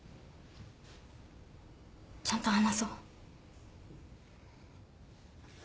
ちゃんと話そう。